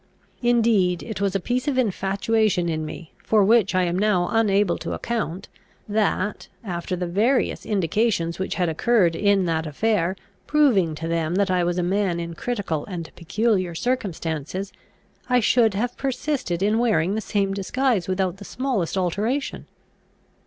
Indeed it was a piece of infatuation in me, for which I am now unable to account, that, after the various indications which had occurred in that affair, proving to them that I was a man in critical and peculiar circumstances, I should have persisted in wearing the same disguise without the smallest alteration.